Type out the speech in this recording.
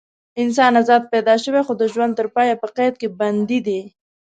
انسان ازاد پیدا شوی خو د ژوند تر پایه په قید کې بندي دی.